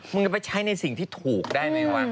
มึงอาจจะไปใช้ในสิ่งที่ถูกได้ไหมว่ะ